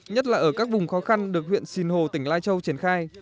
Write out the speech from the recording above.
nhất là ở các vùng khó khăn được huyện sinh hồ tỉnh lai châu triển khai